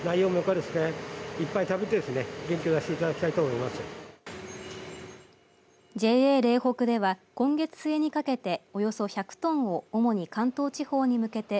ＪＡれいほくでは今月末にかけておよそ１００トンを主に関東地方に向けて